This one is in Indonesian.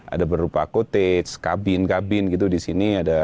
ada berupa cotage kabin kabin gitu di sini